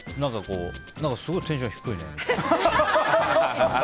すごいテンション低いねって。